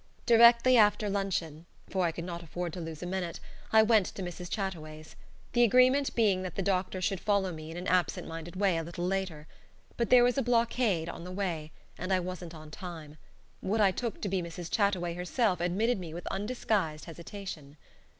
Directly after luncheon, for I could not afford to lose a minute, I went to Mrs. Chataway's; the agreement being that the doctor should follow me in an absent minded way a little later. But there was a blockade on the way, and I wasn't on time. What I took to be Mrs. Chataway herself admitted me with undisguised hesitation.